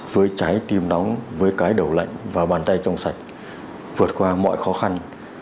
với trái tim nóng với cái đầu lạnh và bàn tay trong sạch vượt qua mọi khó khăn